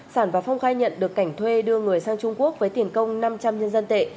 sản và phong khai nhận được cảnh thuê đưa người sang trung quốc với tiền công năm trăm linh nhân dân tệ